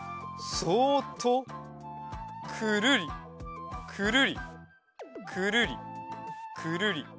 くるりくるりくるりくるり。